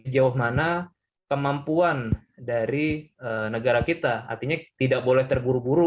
jauh mana kemampuan dari negara kita artinya tidak boleh terburu buru